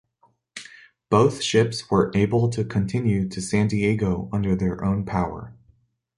Both ships were able to continue to San Diego under their own power.